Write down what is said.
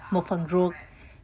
một phần ruột